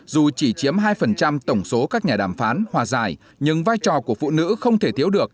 dù chỉ chiếm hai tổng số các nhà đàm phán hòa giải nhưng vai trò của phụ nữ không thể thiếu được